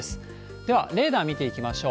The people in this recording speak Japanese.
では、レーダー見ていきましょう。